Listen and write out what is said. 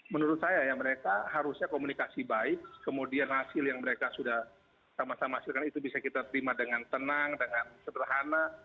menurut saya ya mereka harusnya komunikasi baik kemudian hasil yang mereka sudah sama sama hasilkan itu bisa kita terima dengan tenang dengan sederhana